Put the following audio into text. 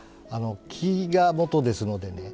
木が元ですのでね